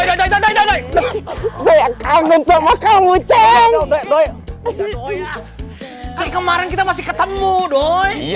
doi doi doi doi doi doi doi saya kangen sama kamu ceng doi doi doi doi kemarin kita masih ketemu doi